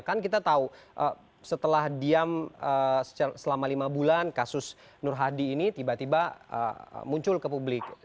kan kita tahu setelah diam selama lima bulan kasus nur hadi ini tiba tiba muncul ke publik